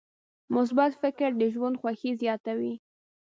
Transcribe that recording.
مثبت فکر د ژوند خوښي زیاتوي.